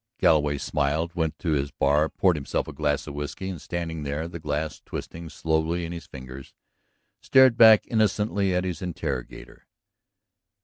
Galloway smiled, went to his bar, poured himself a glass of whiskey, and standing there, the glass twisting slowly in his fingers, stared back innocently at his interrogator.